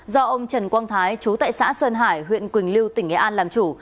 do ông trần quang thái chú tại xã sơn hải huyện quỳnh lưu tỉnh nghệ an làm chủ